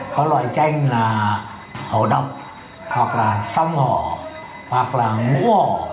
có loại tranh là hổ đọc hoặc là sông hổ hoặc là ngũ hổ